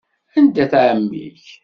Anda-t ɛemmi-k?